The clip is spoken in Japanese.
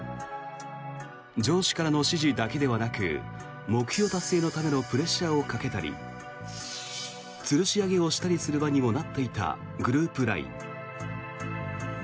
上司からの指示だけではなく目標達成のためのプレッシャーをかけたりつるし上げをする場にもなっていたグループＬＩＮＥ。